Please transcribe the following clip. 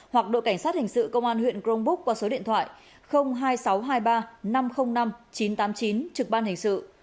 hoặc đội cảnh sát hình sự công an huyện grongbook qua số điện thoại hai nghìn sáu trăm hai mươi ba năm trăm linh năm chín trăm tám mươi chín trực ban hình sự